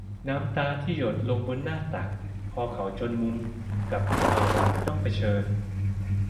น้ำตาที่หยดลงบนหน้าตัก พาเขาจนมุมกับสภาวะที่ต้องเผชิญ